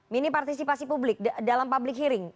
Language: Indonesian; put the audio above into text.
minim partisipasi publik dalam public hearing